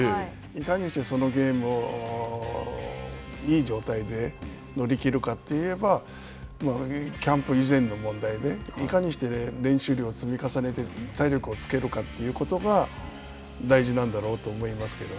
いかにして、そのゲームをいい状態で乗り切るかといえば、キャンプ以前の問題で、いかにして練習量を積み重ねて、体力をつけるかということが大事なんだろうと思